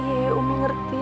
iya ummi ngerti